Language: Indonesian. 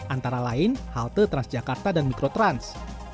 antara lain halte transjakarta dan mikrotrans